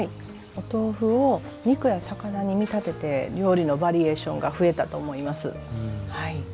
お豆腐を肉や魚に見立てて料理のバリエーションが増えたと思います。